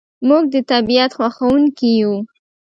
موږ د طبیعت خوښونکي یو.